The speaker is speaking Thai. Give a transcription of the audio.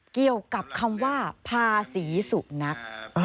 เกี่ยวกับคำว่าภาษีสุนัข